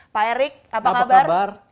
pak erik apa kabar